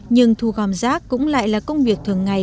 nhưng thu gom rác cũng lại là công việc thường ngày